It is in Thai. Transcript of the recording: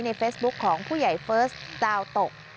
เฟซบุ๊คของผู้ใหญ่เฟิร์สดาวโตะ